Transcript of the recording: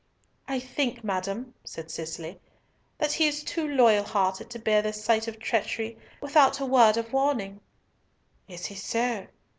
"I think, madam," said Cicely, "that he is too loyal hearted to bear the sight of treachery without a word of warning." "Is he so?